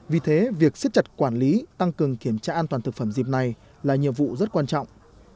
vì thế việc xiết chặt quản lý tăng cường kiểm tra an toàn thực phẩm dịp này là nhiệm vụ rất quan trọng